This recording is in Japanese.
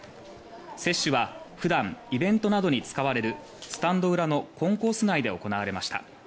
接種は普段イベントなどに使われるスタンド裏のコンコース内で行われました。